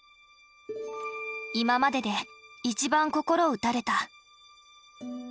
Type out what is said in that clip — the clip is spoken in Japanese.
今までで一番心を打たれた。